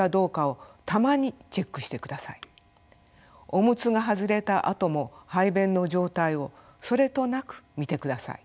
オムツが外れたあとも排便の状態をそれとなく見てください。